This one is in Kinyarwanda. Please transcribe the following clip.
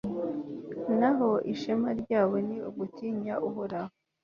naho ishema ryabo, ni ugutinya uhoraho